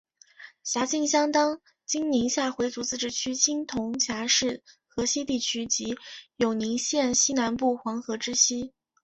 辖境相当今宁夏回族自治区青铜峡市河西地区及永宁县西南部黄河之西。